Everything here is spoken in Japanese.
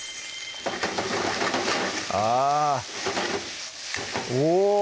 あぁおぉ！